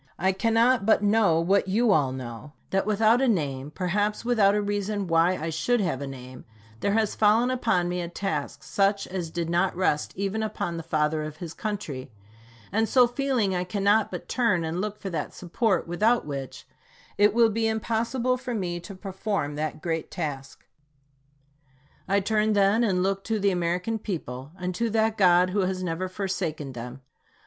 I cannot but know what you all know, that without a name, perhaps without a reason why I should have a name, there has fallen upon me a task such as did not rest even upon the Father of his Country; and so feeling, I cannot but turn and look for that support without which it will be impossible for me to perform that great task. I turn, then, and look to the American people, and to that God who has never forsaken them.